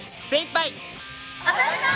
精いっぱい。